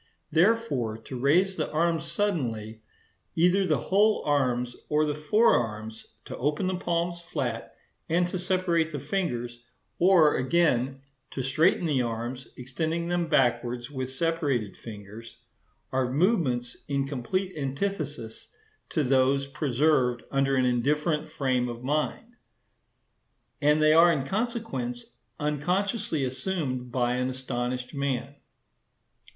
Therefore, to raise the arms suddenly, either the whole arms or the fore arms, to open the palms flat, and to separate the fingers,—or, again, to straighten the arms, extending them backwards with separated fingers,—are movements in complete antithesis to those preserved under an indifferent frame of mind, and they are, in consequence, unconsciously assumed by an astonished man.